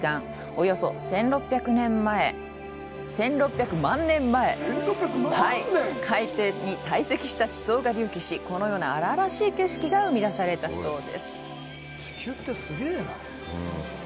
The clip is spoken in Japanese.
およそ１６００万年前海底に堆積した地層が隆起しこのような荒々しい景色が生み出されたそうです。